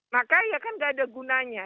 maka ya kan nggak ada gunanya